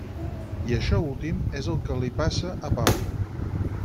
I això últim és el que li passa a Pablo.